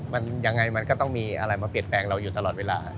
มันยังไงมันก็ต้องมีอะไรมาเปลี่ยนแปลงเราอยู่ตลอดเวลา